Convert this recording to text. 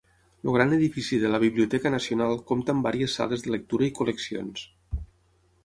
El gran edifici de la Biblioteca Nacional compta amb vàries sales de lectura i col·leccions.